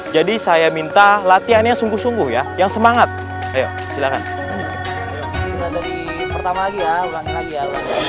jadi saya minta latihannya sungguh sungguh ya yang semangat silakan pertama lagi ya